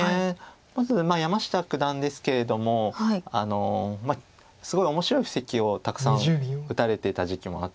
まず山下九段ですけれどもすごい面白い布石をたくさん打たれてた時期もあって。